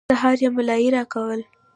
سهار يې ملايي راکوله.